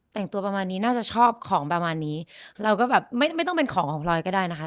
แต่งตัวประมาณนี้น่าจะชอบของประมาณนี้เราก็แบบไม่ไม่ต้องเป็นของของพลอยก็ได้นะคะ